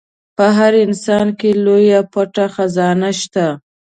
په هر انسان کې لويه پټه خزانه شته.